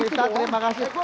bung wimar terima kasih